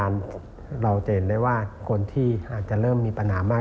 เราจะเห็นได้ว่าคนที่อาจจะเริ่มมีปัญหามาก